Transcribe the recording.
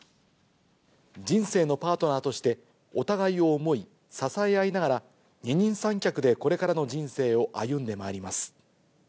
人生のパートナーとして、お互いを思い、支え合いながら、二人三脚でこれからの人生を歩んでまいります。